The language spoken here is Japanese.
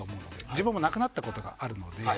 自分も、なくなったことがあるので。